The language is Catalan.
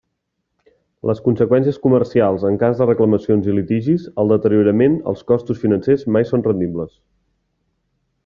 Les conseqüències comercials en cas de reclamacions i litigis, el deteriorament, els costos financers, mai són rendibles.